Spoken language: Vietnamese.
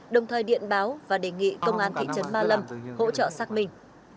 đồng thời điện báo và đề nghị công an thị trấn ma lâm hỗ trợ xác minh